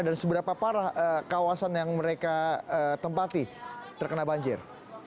dan seberapa parah kawasan yang mereka tempati terkena banjir